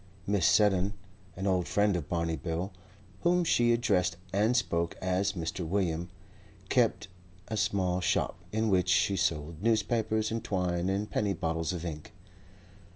Mrs. Seddon, an old friend of Barney Bill, whom she addressed and spoke as Mr. William, kept a small shop in which she sold newspapers and twine and penny bottles of ink.